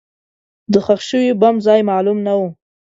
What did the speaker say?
د ښخ شوي بم ځای معلوم نه و.